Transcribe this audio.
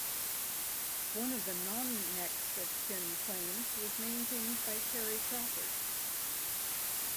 One of the non-next of kin claims was maintained by Terri Crawford.